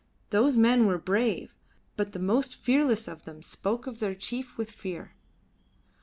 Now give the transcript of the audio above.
Those men were brave; but the most fearless of them spoke of their chief with fear.